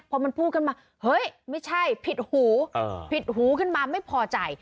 พอมันพูดขึ้นมาเฮ้ยไม่ใช่ผิดหูผิดหูขึ้นมาไม่พอใจ